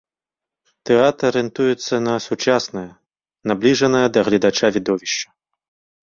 Тэатр арыентуецца на сучаснае, набліжанае да гледача відовішча.